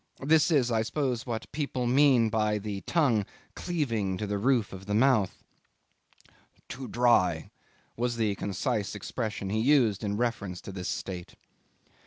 This is, I suppose, what people mean by the tongue cleaving to the roof of the mouth. "Too dry," was the concise expression he used in reference to this state.